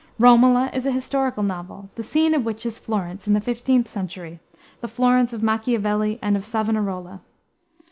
Romola is a historical novel, the scene of which is Florence, in the 15th century, the Florence of Macchiavelli and of Savonarola.